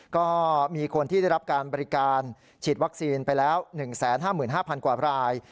ก็มีคนที่ได้รับการบริการฉีดวัคซีนไปแล้ว๑๕๕๐๐กว่าราย